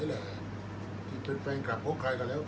อันไหนที่มันไม่จริงแล้วอาจารย์อยากพูด